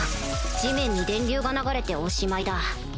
地面に電流が流れておしまいだ